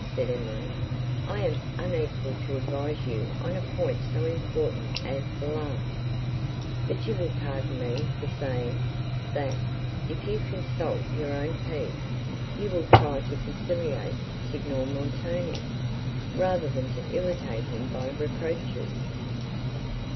said Emily, "I am unequal to advise you on a point so important as the last: but you will pardon me for saying, that, if you consult your own peace, you will try to conciliate Signor Montoni, rather than to irritate him by reproaches."